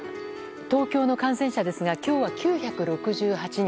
東京の感染者ですが今日は９６８人。